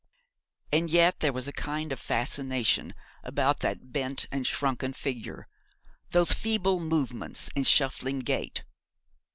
And yet there was a kind of fascination about that bent and shrunken figure, those feeble movements, and shuffling gait.